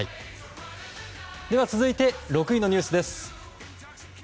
続いて、６位のニュースです。